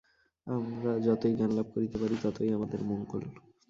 আমরা যতই জ্ঞানলাভ করিতে পারি, ততই আমাদের মঙ্গল।